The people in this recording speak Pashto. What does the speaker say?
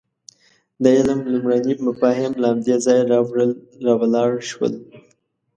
د علم لومړني مفاهیم له همدې ځایه راولاړ شول.